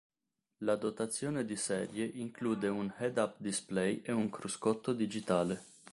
La dotazione di serie include un head-up display e un cruscotto digitale.